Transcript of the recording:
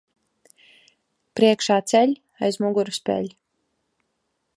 Priekšā ceļ, aiz muguras peļ.